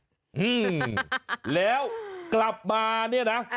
อืมแล้วกลับมาเนี่ยนะ